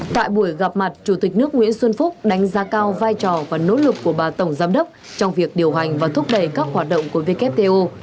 tại buổi gặp mặt chủ tịch nước nguyễn xuân phúc đánh giá cao vai trò và nỗ lực của bà tổng giám đốc trong việc điều hành và thúc đẩy các hoạt động của wto